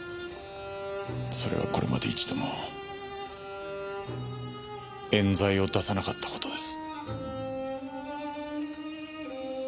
それはこれまで一度も冤罪を出さなかった事です。